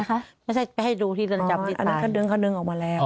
อะไรนะคะไม่ใช่ให้ดูที่เรินจำที่ตายอันนั้นเขาดึงออกมาแล้ว